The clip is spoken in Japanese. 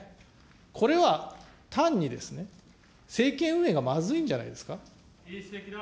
これは単にですね、政権運営がまずいんじゃないですか。